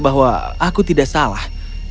bahwa aku tidak salah